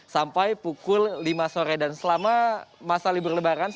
sampai pukul lima sore